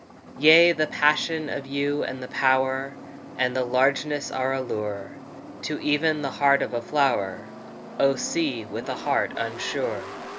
Yea, the passion of you and the power And the largeness are a lure To even the heart of a flower, O sea, with a heart unsure!